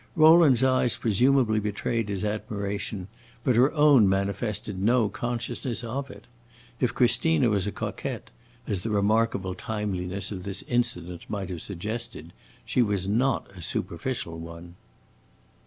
Rowland's eyes presumably betrayed his admiration, but her own manifested no consciousness of it. If Christina was a coquette, as the remarkable timeliness of this incident might have suggested, she was not a superficial one.